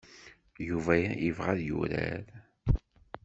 Yuba ibɣa ad yurar.